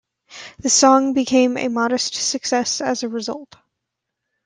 The song became a modest success as a result.